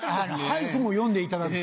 俳句も詠んでいただく。